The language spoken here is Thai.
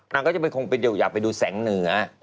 เราก็จะไปคงไปเดี่ยวอยากไปดูแสงเหนือ